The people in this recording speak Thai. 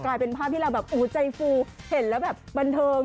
กลายเป็นภาพที่เราแบบโอ้โหใจฟูเห็นแล้วแบบบันเทิง